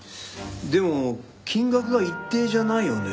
でも金額が一定じゃないよね。